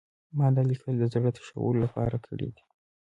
ما دا لیکل د زړه تشولو لپاره کړي دي